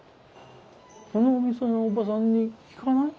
そのお店のおばさんに聞かない？